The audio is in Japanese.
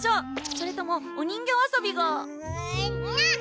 それともお人形遊びがむぅなぁ！